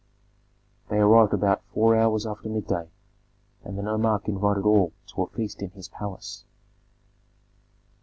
They arrived about four hours after midday, and the nomarch invited all to a feast in his palace.